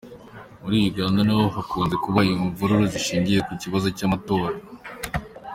Muri Uganda naho hakunze kuba imvururu zishingiye ku kibazo cy’amatora.